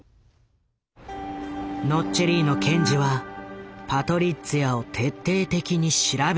ノッチェリーノ検事はパトリッツィアを徹底的に調べることに。